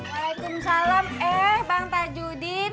waalaikumsalam eh bang tajudin